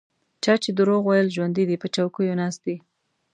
چا چې دروغ ویل ژوندي دي په چوکیو ناست دي.